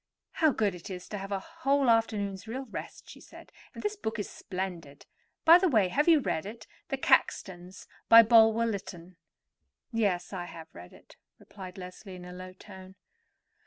"How good it is to have a whole afternoon's real rest," she said; "and this book is splendid. By the way, have you read it—'The Caxtons,' by Bulwer Lytton?" "Yes; I have read it," replied Leslie in a low voice.